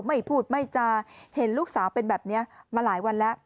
ไม่พูดไม่จาเห็นลูกสาวเป็นแบบนี้มาหลายวันแล้ว